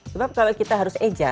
sebab kalau kita harus eja